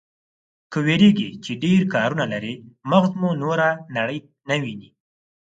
که وېرېږئ چې ډېر کارونه لرئ، مغز مو نوره نړۍ نه ويني.